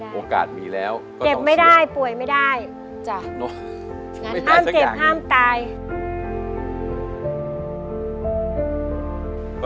ห้ามเจ็บห้ามตาย